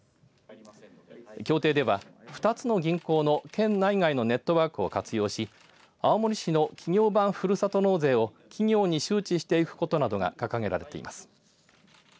協定では２つの銀行の県内外のネットワークを活用し青森市の企業版ふるさと納税を企業に周知していくことなどが掲げられています。